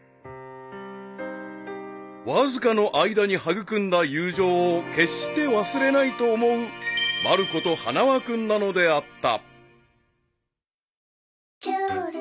［わずかの間に育んだ友情を決して忘れないと思うまる子と花輪君なのであった］